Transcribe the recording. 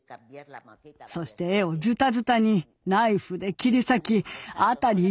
そして絵をズタズタにナイフで切り裂き辺り